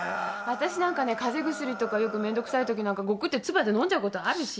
わたしなんかね風邪薬とかよくめんどくさいときなんかごくってつばで飲んじゃうことあるし。